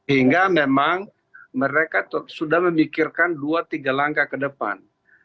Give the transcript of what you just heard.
hingga memang mereka sudah memikirkan dua tiga langkah ke depan